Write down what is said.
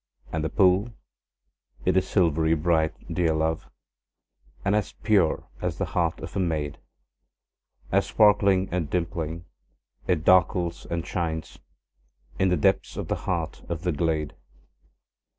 And the pool, it is silvery bright, dear love, And as pure as the heart of a maid, As sparkling and dimpling, it darkles and shines In the depths of the heart of the glade.